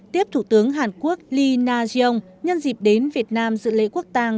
tiếp thủ tướng hàn quốc lee na jong nhân dịp đến việt nam dự lễ quốc tàng